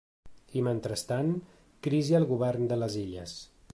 I mentrestant, crisi al govern de les Illes.